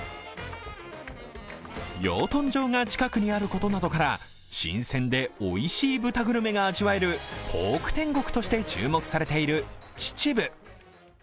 養豚場が近くにあることなどから新鮮でおいしい豚グルメが味わえるポーク天国として注目されている秩父。